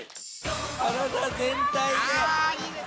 体全体で。